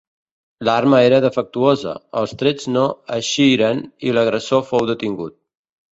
L'arma era defectuosa, els trets no eixiren i l'agressor fou detingut.